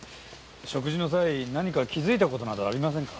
食事の際何か気づいた事などありませんか？